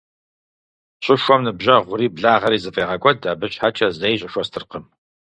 Щӏыхуэм ныбжьэгъури благъэри зэфӏегъэкӏуэд, абы щхьэкӏэ зэи щӏыхуэ стыркъым.